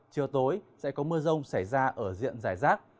chiều tối sẽ có mưa rông xảy ra ở diện giải rác